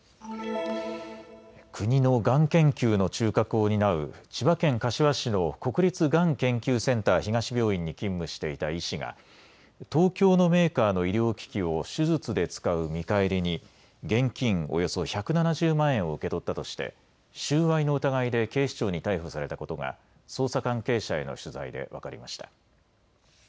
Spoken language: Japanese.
国のがん研究の中核を担う千葉県柏市の国立がん研究センター東病院に勤務していた医師が東京のメーカーの医療機器を手術で使う見返りに現金およそ１７０万円を受け取ったとして収賄の疑いで警視庁に逮捕されたことが捜査関係者への取材で分かりました。